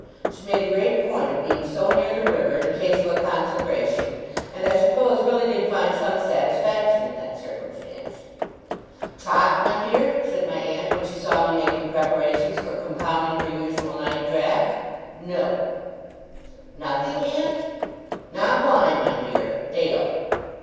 She made a great point of being so near the river, in case of a conflagration; and I suppose really did find some satisfaction in that circumstance. 'Trot, my dear,' said my aunt, when she saw me making preparations for compounding her usual night draught, 'No!' 'Nothing, aunt?' 'Not wine, my dear. Ale.